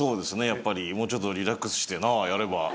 もうちょっとリラックスしてなやれば。